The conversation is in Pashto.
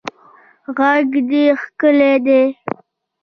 غږ دې ښکلی دی